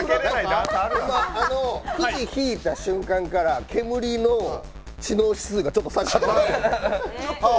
くじ引いた瞬間からケムリの知能指数がちょっと下がった。